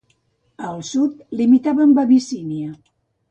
Al sud limitava amb Abissínia.